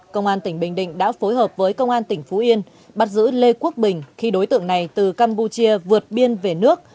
công an tỉnh bình định đã phối hợp với công an tỉnh phú yên bắt giữ lê quốc bình khi đối tượng này từ campuchia vượt biên về nước